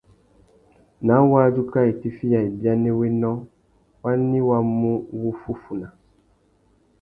Ná wadjú kā itifiya ibianéwénô, wani wá mú wuffúffuna?